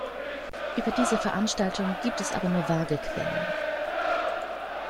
Über diese Veranstaltung gibt es aber nur vage Quellen.